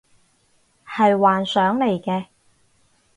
係幻想嚟嘅